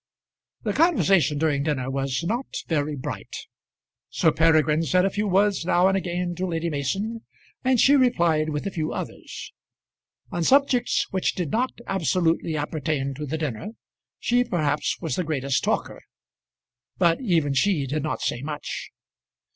The conversation during dinner was not very bright. Sir Peregrine said a few words now and again to Lady Mason, and she replied with a few others. On subjects which did not absolutely appertain to the dinner, she perhaps was the greatest talker; but even she did not say much.